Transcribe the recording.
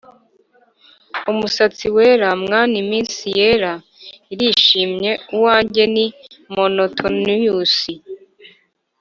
umusatsi wera: mwana, iminsi yawe irishimye, uwanjye ni monotonous